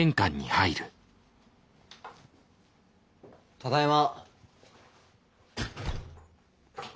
ただいま。